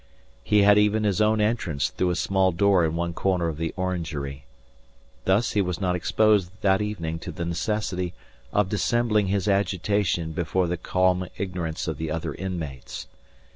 He had even his own entrance through a small door in one corner of the orangery. Thus he was not exposed that evening to the necessity of dissembling his agitation before the calm ignorance of the other inmates.